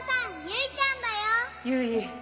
・ゆい！